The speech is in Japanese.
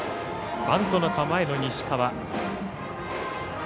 バントの構えの西川。